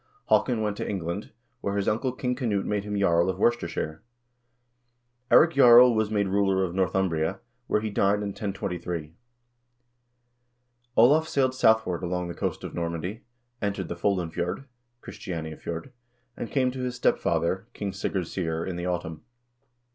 Haakon went to England, where his uncle King Knut made him jarl of Worcestershire. Eirik Jarl was made ruler of Northumbria, where he died in 1023. Olav sailed southward along the coast of Norway, entered the Foldenfjord (Christianiafjord), and came to his step father, King Sigurd Syr, in the autumn.